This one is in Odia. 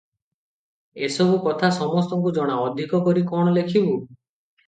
ଏ ସବୁ କଥା ସମସ୍ତଙ୍କୁ ଜଣା, ଅଧିକ କରି କଣ ଲେଖିବୁଁ?